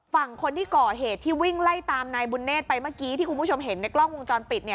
ฝั่งคนที่ก่อเหตุที่วิ่งไล่ตามนายบุญเนธไปเมื่อกี้ที่คุณผู้ชมเห็นในกล้องวงจรปิด